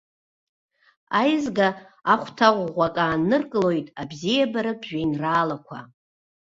Аизга ахәҭа ӷәӷәак ааныркылоит абзиабаратә жәеинраалақәа.